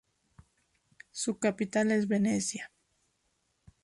Su capital es Venecia.